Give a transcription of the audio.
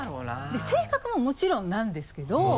で性格ももちろんなんですけど。